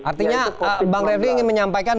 artinya bang refli ingin menyampaikan